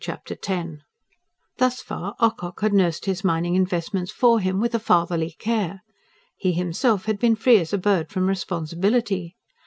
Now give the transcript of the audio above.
Chapter X Thus far, Ocock had nursed his mining investments for him with a fatherly care. He himself had been free as a bird from responsibility.